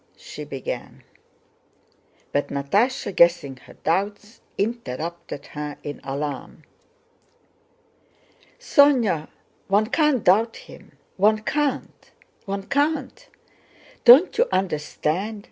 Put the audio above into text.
she began. But Natásha, guessing her doubts, interrupted her in alarm. "Sónya, one can't doubt him! One can't, one can't! Don't you understand?"